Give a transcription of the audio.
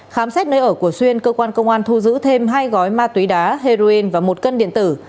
khám xét nơi ở của xuyên cơ quan công an thu giữ thêm hai gói ma túy đá heroin và một cân điện tử